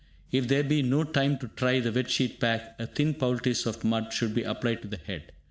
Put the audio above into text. If there be no time to try the "Wet Sheet Pack", a thin poultice of mud should be applied to the head.